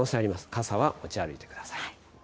傘は持ち歩いてください。